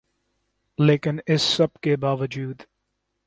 لیکن اس سب کے باوجود